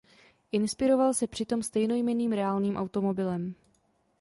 Inspiroval se při tom stejnojmenným reálným automobilem.